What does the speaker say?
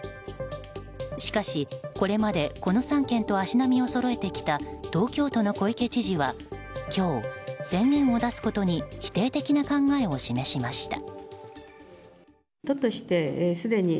しかし、これまでこの３県と足並みをそろえてきた東京都の小池知事は今日、宣言を出すことに否定的な考えを示しました。